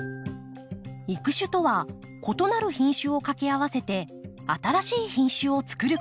育種とは異なる品種を掛け合わせて新しい品種をつくること。